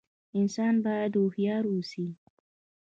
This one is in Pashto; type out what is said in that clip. انسان بايد هوښيار ووسي